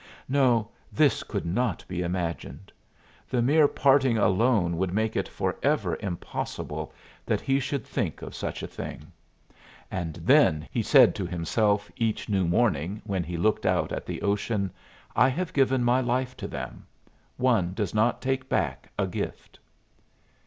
No, this could not be imagined. The mere parting alone would make it forever impossible that he should think of such a thing. "And then," he said to himself each new morning, when he looked out at the ocean, "I have given my life to them. One does not take back a gift."